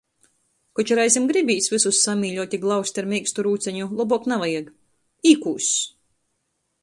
Koč reizem gribīs vysus samīļuot i glaust ar meikstu rūceņu, lobuok navajag. Īkūss!